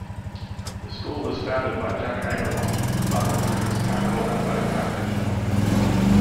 The school was founded by Jack Abramoff and funded through his Capital Athletic Foundation.